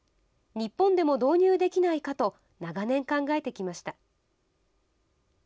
日本でも導入できないかと、長年考えてきました。